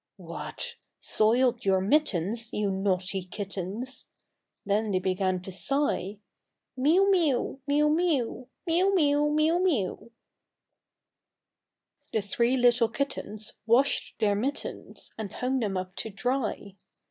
What! soiled your mittens, you naughty kittens!' Then they began to sigh, "Miew, miew, miew, miew, Miew, miew, miew, miew." THE THREE LITTLE KITTENS . The three little kittens washed their mittens, And hung them up to dry.